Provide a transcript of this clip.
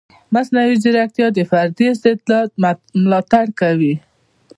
مصنوعي ځیرکتیا د فردي استعداد ملاتړ کوي.